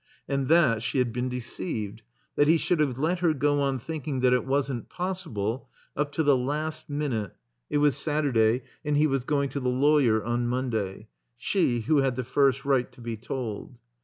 And that she had been deceived; that he should have let her go on thinking that it wasn't possible, up to the last minute (it was Saturday and he was going to the lawyer on Monday), she who had the first right to be told.